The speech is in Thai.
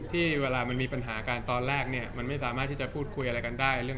ที่เวลามันมีปัญหากันตอนแรกเนี่ยมันไม่สามารถที่จะพูดคุยอะไรกันได้เรื่อง